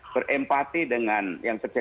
berempati dengan yang sedang berjamaah